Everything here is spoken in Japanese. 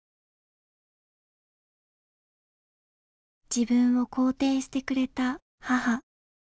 自分を肯定してくれた母。